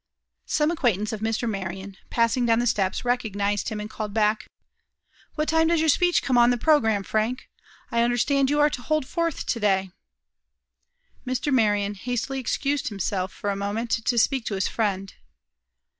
Some acquaintance of Mr. Marion, passing down the steps, recognized him, and called back: "What time does your speech come on the program, Frank? I understand you are to hold forth to day." Mr. Marion hastily excused himself for a moment, to speak to his friend.